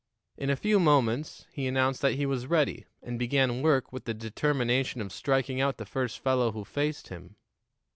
In a few moments he announced that he was ready, and began work with the determination of striking out the first fellow who faced him.